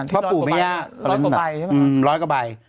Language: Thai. เพราะปุ่นเนี่ย๑๐๐กว่าใบใช่ไหม